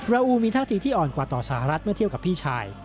อูมีท่าทีที่อ่อนกว่าต่อสหรัฐเมื่อเทียบกับพี่ชาย